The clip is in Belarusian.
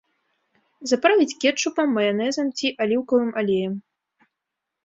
Заправіць кетчупам, маянэзам ці аліўкавым алеем.